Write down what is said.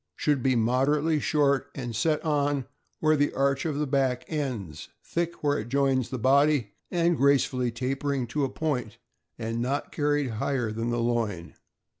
— Should be moderately short, and set on where the arch of the back ends, thick where it joins the body, and gracefully tapering to a point, and not carried higher than the loin.